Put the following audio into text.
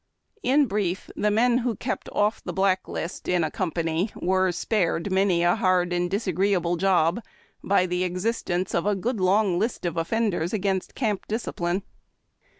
In brief, the men who kept off the black list in a company were spared many a hard and disagreeable job by the existence of a good long list of offenders against camp discipline.